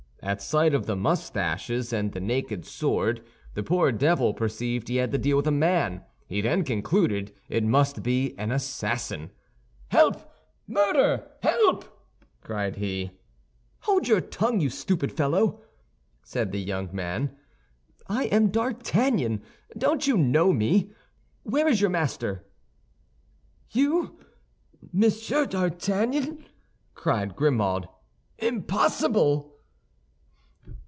At sight of the mustaches and the naked sword, the poor devil perceived he had to deal with a man. He then concluded it must be an assassin. "Help! murder! help!" cried he. "Hold your tongue, you stupid fellow!" said the young man; "I am D'Artagnan; don't you know me? Where is your master?" "You, Monsieur d'Artagnan!" cried Grimaud, "impossible."